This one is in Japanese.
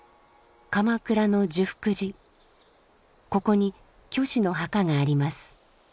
ここに虚子の墓があります。